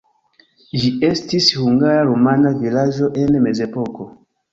Ĝi estis hungara-rumana vilaĝo en mezepoko.